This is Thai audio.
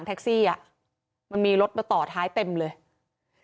แต่แท็กซี่เขาก็บอกว่าแท็กซี่ควรจะถอยควรจะหลบหน่อยเพราะเก่งเทาเนี่ยเลยไปเต็มคันแล้ว